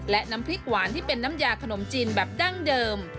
และน้ำพริกหวานที่เป็นน้ำยาขนมจีนแบบดั้งเดิม